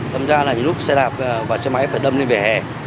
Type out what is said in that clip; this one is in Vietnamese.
thật ra là lúc xe đạp và xe máy phải đâm lên vẻ hẹ